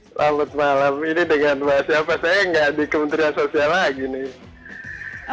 selamat malam ini dengan siapa saya nggak di kementerian sosial lagi nih